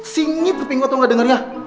singgit tapi gue tau gak dengernya